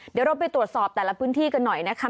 เดี๋ยวเราไปตรวจสอบแต่ละพื้นที่กันหน่อยนะคะ